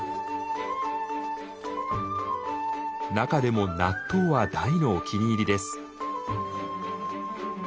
中でも納豆は大のお気に入りです。